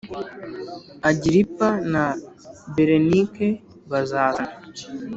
Agiripa na Berenike bazazana.